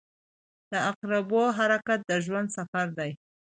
• د عقربو حرکت د ژوند سفر دی.